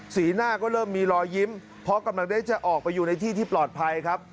หน้าก็เริ่มมีรอยยิ้มเพราะกำลังได้จะออกไปอยู่ในที่ที่ปลอดภัยครับ